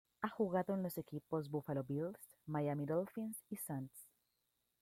Ha jugado en los equipos Buffalo Bills, Miami Dolphins y St.